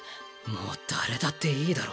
もう誰だっていいだろ。